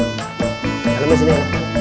kalian kesini ya